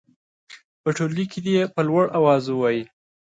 په ټولګي کې دې یې په لوړ اواز ووايي.